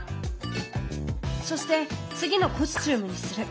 そして「次のコスチュームにする」。